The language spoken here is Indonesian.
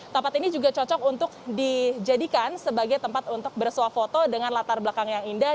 tempat ini juga cocok untuk dijadikan sebagai tempat untuk bersuah foto dengan latar belakang yang indah